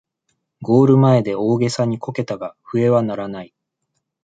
ゴール前で大げさにこけたが笛は鳴らない